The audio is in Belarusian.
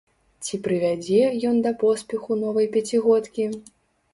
Ці прывядзе ён да поспеху новай пяцігодкі?